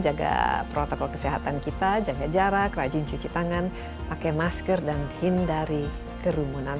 jaga protokol kesehatan kita jaga jarak rajin cuci tangan pakai masker dan hindari kerumunan